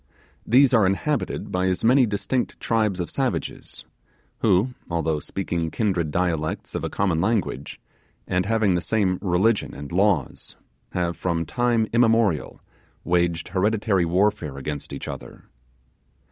These are inhabited by as many distinct tribes of savages, who, although speaking kindred dialects of a common language, and having the same religion and laws, have from time immemorial waged hereditary warfare against each other.